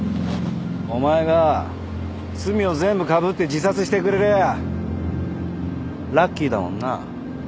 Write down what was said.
お前が罪を全部かぶって自殺してくれりゃあラッキーだもんな。